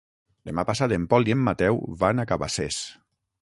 Demà passat en Pol i en Mateu van a Cabacés.